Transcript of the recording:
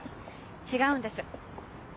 違うんです。